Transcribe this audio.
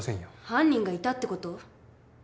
犯人がいたってこと？